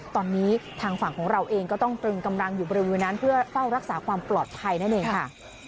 ตอนนี้ทางฝั่งของเราเองก็ต้องตรึงกำลังอยู่บริเวณนั้นเพื่อเฝ้ารักษาความปลอดภัยนั่นเองค่ะ